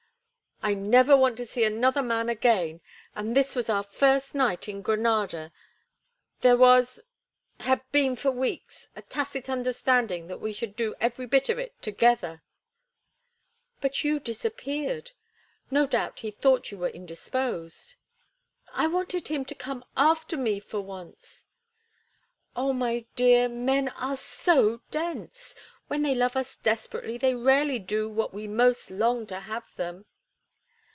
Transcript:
"I never want to see another man again—and this was our first night in Granada. There was—had been for weeks—a tacit understanding that we should do every bit of it together—" "But you disappeared. No doubt he thought you were indisposed—" "I wanted him to come after me, for once." "Oh, my dear, men are so dense. When they love us desperately they rarely do what we most long to have them.